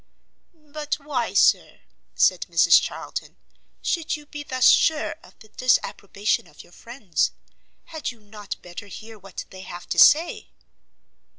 "But why, Sir," said Mrs Charlton, "should you be thus sure of the disapprobation of your friends? had you not better hear what they have to say?"